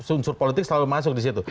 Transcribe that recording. unsur politik selalu masuk di situ